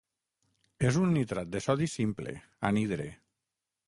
És un nitrat de sodi simple, anhidre.